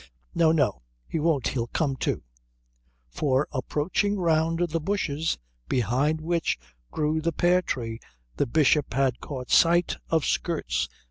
No, no, he won't, he'll come, too" for approaching round the bushes behind which grew the pear tree the Bishop had caught sight of skirts.